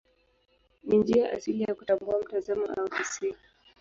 Ni njia asili ya kutambua mtazamo au hisia.